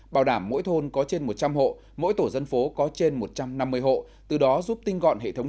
bảo đảm mỗi thôn có trên một trăm linh hộ mỗi tổ dân phố có trên một trăm năm mươi hộ từ đó giúp tinh gọn hệ thống